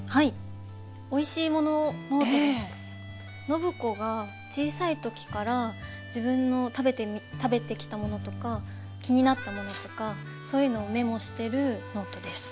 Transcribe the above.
暢子が小さい時から自分の食べてきたものとか気になったものとかそういうのをメモしてるノートです。